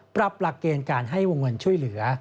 ปรับหลักเกณฑ์การให้วงเงินช่วยเหลือ